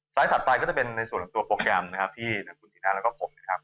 สไลด์ถัดต้นแทปในส่วนตัวโปรแกรมที่คุณสินาและผม